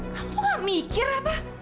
kamu gak mikir apa